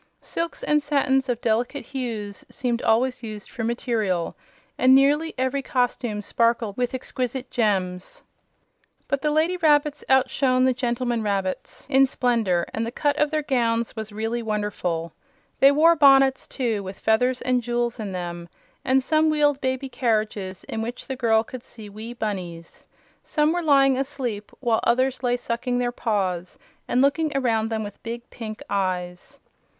Silks and satins of delicate hues seemed always used for material, and nearly every costume sparkled with exquisite gems. But the lady rabbits outshone the gentlemen rabbits in splendor, and the cut of their gowns was really wonderful. They wore bonnets, too, with feathers and jewels in them, and some wheeled baby carriages in which the girl could see wee bunnies. Some were lying asleep while others lay sucking their paws and looking around them with big pink eyes.